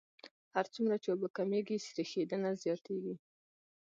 هر څومره چې اوبه کمیږي سریښېدنه زیاتیږي